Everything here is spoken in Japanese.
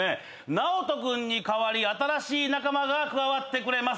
ＮＡＯＴＯくんに代わり新しい仲間が加わってくれます！